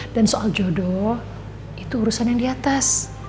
dan soal jodoh itu urusan yang di atas